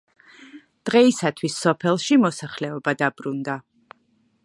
დღეისათვის სოფელში მოსახლეობა დაბრუნდა.